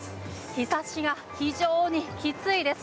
日差しが非常にきついです。